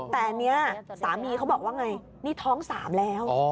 แต่อันนี้สามีเขาบอกว่าไงนี่ท้อง๓แล้ว